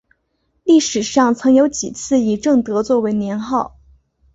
历史上曾有几次以正德作为年号。